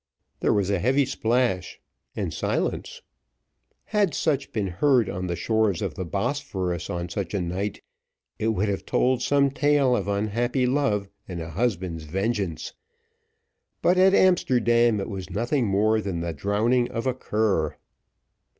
There was a heavy splash and silence. Had such been heard on the shores of the Bosphorus on such a night, it would have told some tale of unhappy love and a husband's vengeance; but, at Amsterdam, it was nothing more than the drowning of a cur.